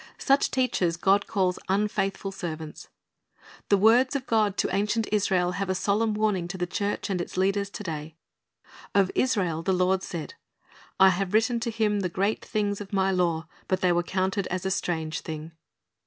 Such teachers God calls unfaithful servants. The words of God to ancient Israel have a solemn warning to the church and its leaders to day. Of Israel the Lord said, "I have written to him the great things of My law; but they were counted as a strange thing."'